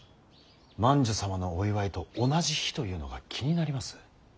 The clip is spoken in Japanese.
万寿様のお祝いと同じ日というのが気になります。